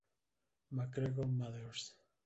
McGregor Mathers.